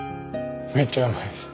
めっちゃうまいです。